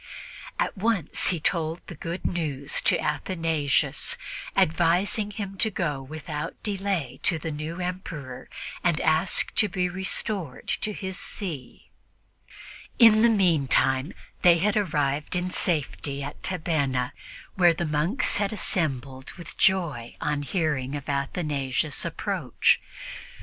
At once he told the good news to Athanasius, advising him to go without delay to the new Emperor and ask to be restored to his see. In the meantime they had arrived in safety at Tabenna, where the monks had assembled with joy on hearing of Athanasius' approach.